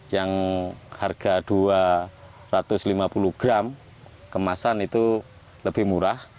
yang harga dua ratus lima puluh gram kemasan itu lebih murah